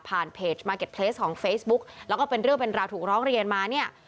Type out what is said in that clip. เพจสมาร์เก็ตเพลสของเฟซบุ๊กแล้วก็เป็นเรื่องเป็นราวถูกร้องเรียนมาเนี่ย